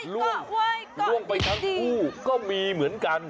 ล่วงล่วงไปทั้งคู่ก็มีเหมือนกัน